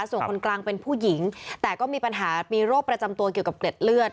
ส่วนคนกลางเป็นผู้หญิงแต่ก็มีปัญหามีโรคประจำตัวเกี่ยวกับเกล็ดเลือด